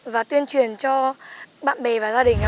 và tuyên truyền cho bạn bè và gia đình